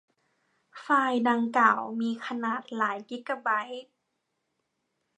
ไฟล์ดังกล่าวมีขนาดหลายกิกะไบต์